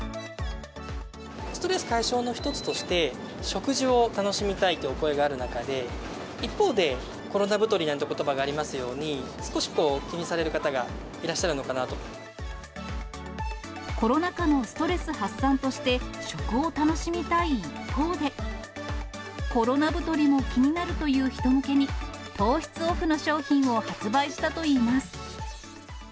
ストレス解消の一つとして、食事を楽しみたいというお声がある中で、一方で、コロナ太りなんていうことばがありますように、少し気にされる方コロナ禍のストレス発散として、食を楽しみたい一方で、コロナ太りも気になるという人向けに、糖質オフの商品を発売したといいます。